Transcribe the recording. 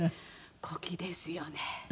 古希ですよね。